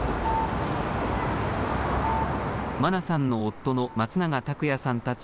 真菜さんの夫の松永拓也さんたち